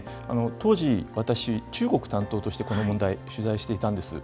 当時、私、中国担当としてこの問題、取材していたんです。